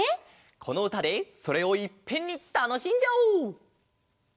このうたでそれをいっぺんにたのしんじゃおう！